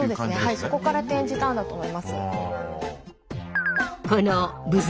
そこから転じたんだと思います。